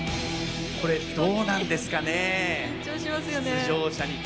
これどうなんですかねえ。